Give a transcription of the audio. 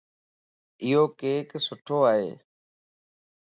ايو ڪيڪ سُٺو ائي.